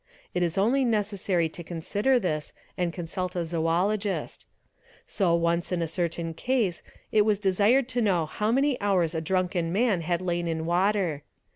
Iti only necessary to consider this and consult a zoologist. So once in— THE BOTANIST 225 certain case it was desired to know how many hours a drunken man had lain in water.